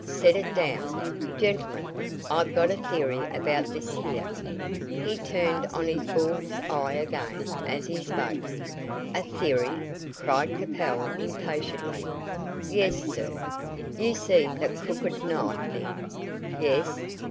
"Set it down. Gentlemen, I've got a theory about this here." He turned on his bull's eye again, as he spoke. "A theory?" cried Capel, impatiently. "Yes, sir. You see that crooked knife thing?" "Yes."